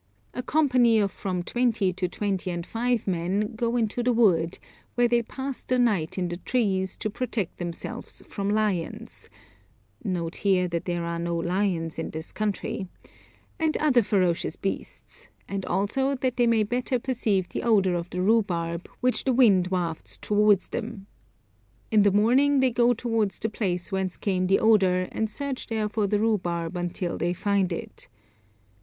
"A company of from twenty to five and twenty men go into the wood, where they pass the night in the trees, to protect themselves from lions (note here, that there are no lions in this country), and other ferocious beasts, and also that they may better perceive the odour of the rhubarb, which the wind wafts towards them. In the morning they go towards the place whence came the odour, and search there for the rhubarb until they find it.